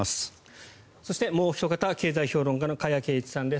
そしてもうおひと方経済評論家の加谷珪一さんです。